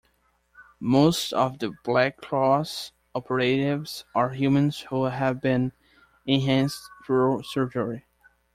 Most of the Black Cross operatives are humans who have been enhanced through surgery.